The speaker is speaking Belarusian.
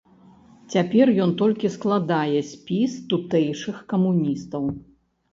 Цяпер ён толькі складае спіс тутэйшых камуністаў.